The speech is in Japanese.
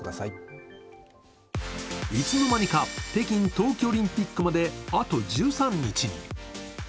いつの間にか北京冬季オリンピックまであと１３日に。